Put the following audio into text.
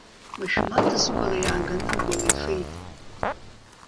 Мышәмаҭ зқәала иааганы мгәала ифеит.